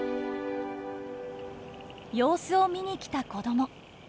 様子を見に来た子ども。